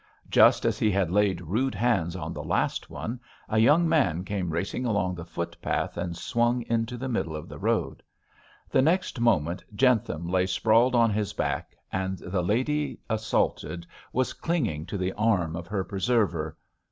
Just as he laid rude hands on the last one, a young man came racing along the footpath and swung into the middle of the road. The next moment Jentham lay sprawling on his back, and the lady assaulted was clinging to the arm of her preserver.